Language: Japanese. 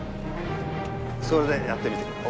それでやってみて下さい。